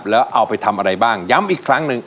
แล้วเอาไปทำอะไรบ้างย้ำอีกครั้งหนึ่ง